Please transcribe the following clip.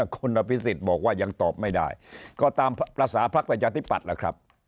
คุณอภิษฎบอกว่ายังตอบไม่ได้ก็ตามภาษาพักประชาธิปัตย์ล่ะครับ